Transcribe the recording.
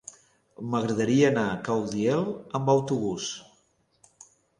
M'agradaria anar a Caudiel amb autobús.